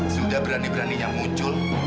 sudah berani beraninya muncul